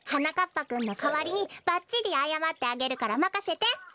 ぱくんのかわりにばっちりあやまってあげるからまかせて！